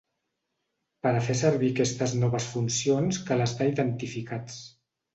Per a fer servir aquestes noves funcions cal estar identificats.